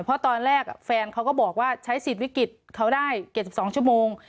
เพราะตอนแรกแฟนเขาก็บอกว่าใช้สิทธิ์วิกฤตเขาได้๗๒ชั่วโมง